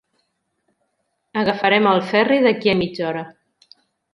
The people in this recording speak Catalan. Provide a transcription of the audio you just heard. Agafarem el ferri d'aquí a mitja hora.